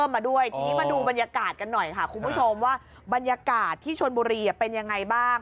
มาด้วยทีนี้มาดูบรรยากาศกันหน่อยค่ะคุณผู้ชมว่าบรรยากาศที่ชนบุรีเป็นยังไงบ้าง